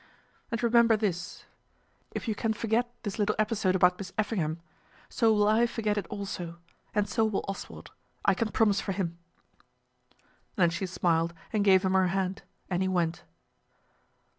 And remember this, If you can forget this little episode about Miss Effingham, so will I forget it also; and so will Oswald. I can promise for him." Then she smiled and gave him her hand, and he went.